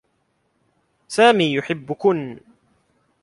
سامي يحبّكنّ.